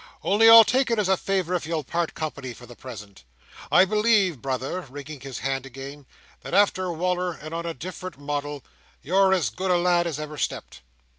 Only I'll take it as a favour if you'll part company for the present. I believe, brother," wringing his hand again, "that, after Wal"r, and on a different model, you're as good a lad as ever stepped."